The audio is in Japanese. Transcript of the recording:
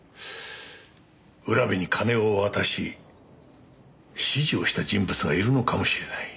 浦部に金を渡し指示をした人物がいるのかもしれない。